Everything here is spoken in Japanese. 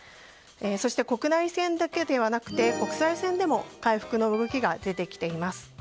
そして国内線だけではなくて国際線でも回復の動きが出てきています。